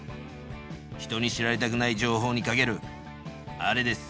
人に知られたくない情報にかけるあれです。